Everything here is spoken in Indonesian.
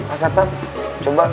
asad pak coba